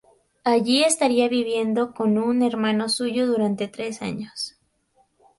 Allí estaría viviendo con un hermano suyo durante tres años.